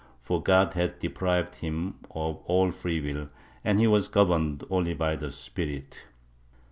V] IMPOSTORS 37 for God had deprived him of all free will and he was governed only by the spirit.